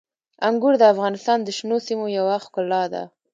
انګور د افغانستان د شنو سیمو یوه ښکلا ده.